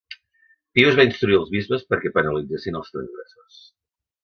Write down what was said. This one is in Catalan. Pius va instruir els bisbes perquè penalitzessin els transgressors.